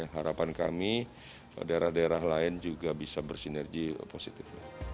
harapan kami daerah daerah lain juga bisa bersinergi positif